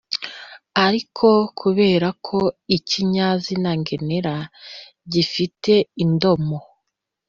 ariko kubera ko ikinyazina ngenera gifata indomo